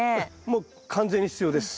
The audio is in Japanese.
もう完全に必要です。